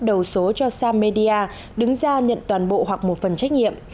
đầu số cho samedia đứng ra nhận toàn bộ hoặc một phần trách nhiệm